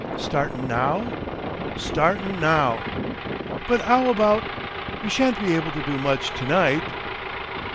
"Startin' now?" "Starting now!" "But 'ow about We shan't be able to do much to night."